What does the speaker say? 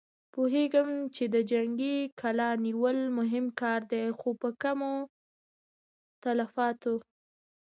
پوهېږم چې د جنګي کلا نيول مهم کار دی، خو په کمو تلفاتو.